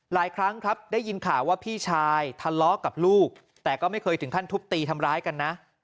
ครั้งครับได้ยินข่าวว่าพี่ชายทะเลาะกับลูกแต่ก็ไม่เคยถึงขั้นทุบตีทำร้ายกันนะ